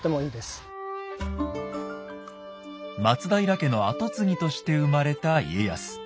松平家の跡継ぎとして生まれた家康。